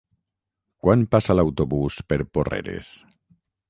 Quan passa l'autobús per Porreres?